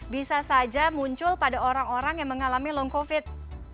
bisa saja muncul pada orang orang yang mengalami long covid